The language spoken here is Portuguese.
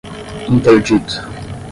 interdito